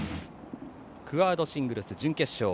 クアードシングルス準決勝。